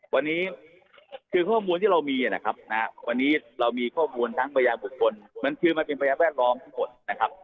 วันนี้คือข้อมูลที่เรามีนะครับวันนี้เรามีข้อมูลทั้งพยานบุคคลมันคือมันเป็นพยานแวดล้อมทั้งหมดนะครับ